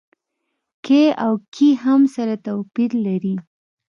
کې او کي هم توپير سره لري.